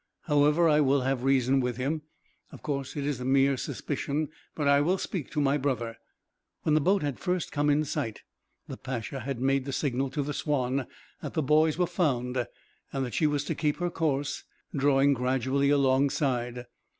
However, I will have reason with him. Of course it is a mere suspicion, but I will speak to my brother." When the boat had first come in sight, the Pacha had made the signal to the Swanne that the boys were found, and that she was to keep her course, drawing gradually alongside.